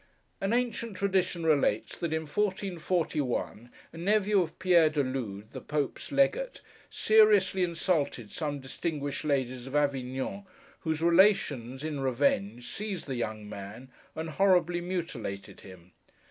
'An ancient tradition relates, that in 1441, a nephew of Pierre de Lude, the Pope's legate, seriously insulted some distinguished ladies of Avignon, whose relations, in revenge, seized the young man, and horribly mutilated him.